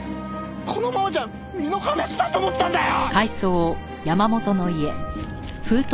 このままじゃ身の破滅だと思ったんだよ！